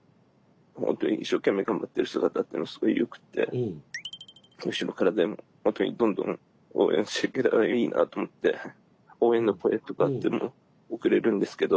本当に一生懸命頑張ってる姿というのがすごいよくって後ろからでもほんとにどんどん応援していけたらいいなと思って応援の声とかというのも送れるんですけど。